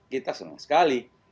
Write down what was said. kita senang sekali